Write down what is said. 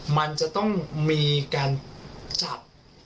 มันจะต้องมีการจับ